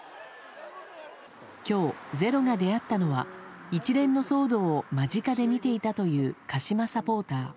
きょう、ｚｅｒｏが出会ったのは、一連の騒動を間近で見ていたという鹿島サポーター。